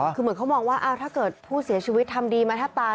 คือเหมือนเขามองว่าถ้าเกิดผู้เสียชีวิตทำดีมาแทบตาย